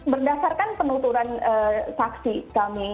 berdasarkan penuturan saksi kami